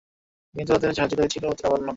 কিন্তু তাদের সাহায্যকারী ছিল অতি নগণ্য।